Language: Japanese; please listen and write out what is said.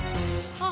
あっ。